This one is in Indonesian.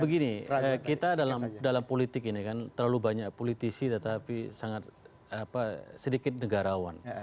begini kita dalam politik ini kan terlalu banyak politisi tetapi sangat sedikit negarawan